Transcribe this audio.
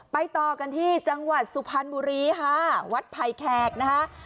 ต่อกันที่จังหวัดสุพรรณบุรีค่ะวัดไผ่แขกนะคะ